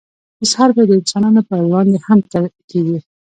اظهار به يې د انسانانو په وړاندې هم کېږي.